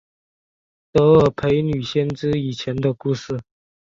德尔斐女先知以前的故事。